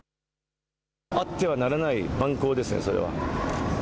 あってはならない蛮行ですね、それは。